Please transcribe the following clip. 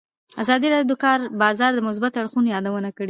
ازادي راډیو د د کار بازار د مثبتو اړخونو یادونه کړې.